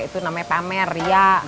itu namanya pamer ya